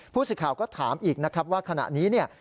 ผู้สื่อข่าวก็ถามอีกนะครับว่าขณะนี้เนี่ย